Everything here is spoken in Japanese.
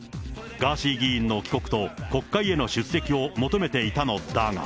ガーシー議員の帰国と国会への出席を求めていたのだが。